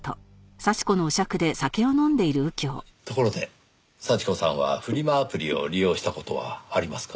ところで幸子さんはフリマアプリを利用した事はありますか？